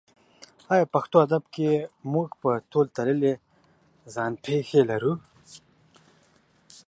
ایا په پښتو ادب کې موږ په تول تللې ځان پېښې لرو؟